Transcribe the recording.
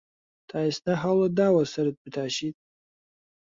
تا ئێستا هەوڵت داوە سەرت بتاشیت؟